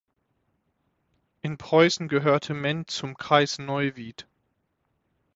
In Preußen gehörte Mendt zum Kreis Neuwied.